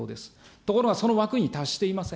ところがその枠に達していません。